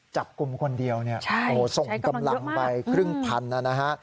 จับกลุ่มคนเดียวเนี่ยใช่ใช้กำลังเยอะมากโอ้ส่งกำลังไปครึ่งพันนะฮะ